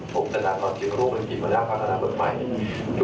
ผมแสดงความคิดว่าโรคเป็นผิดมาได้พัฒนาปัจจุดใหม่